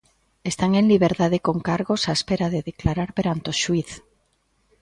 Están en liberdade con cargos á espera de declarar perante o xuíz.